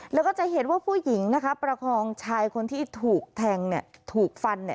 แล้วก็จะเห็นว่าผู้หญิงนะครับประคองชายคนที่ถูกแทงถูกฟัน